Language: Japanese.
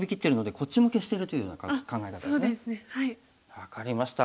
分かりました。